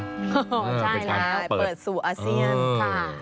ใช่แล้วเปิดสู่อาเซียนค่ะ